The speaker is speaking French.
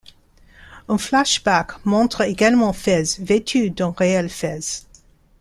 Un flashback montre également Fez vêtu d'un réel fez.